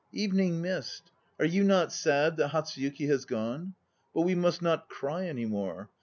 Evening Mist, are you not sad that Hatsuyuki has gone? ... But we must not cry any more.